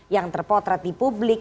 yang terpotrat di publik